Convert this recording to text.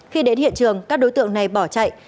khi đến hiện trường các đối tượng này bỏ chạy